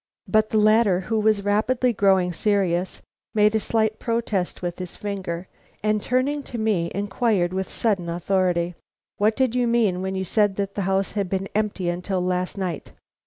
But the latter, who was rapidly growing serious, made a slight protest with his finger, and turning to me, inquired, with sudden authority: "What did you mean when you said that the house had been empty till last night?"